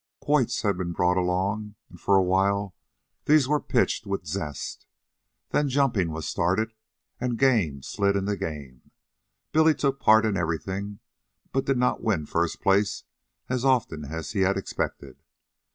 Quoits had been brought along, and for a while these were pitched with zest. Then jumping was started, and game slid into game. Billy took part in everything, but did not win first place as often as he had expected.